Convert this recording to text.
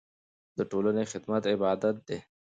د ټولنې خدمت عبادت دی.